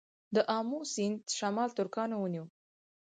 د امو سیند شمال ترکانو ونیو